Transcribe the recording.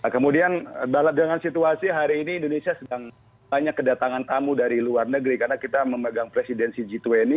kemudian dengan situasi hari ini indonesia sedang banyak kedatangan tamu dari luar negeri karena kita memegang presidensi g dua puluh